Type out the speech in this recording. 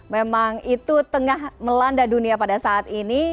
memang itu tengah melanda dunia pada saat ini